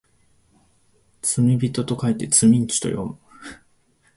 罪人と書いてつみんちゅと読む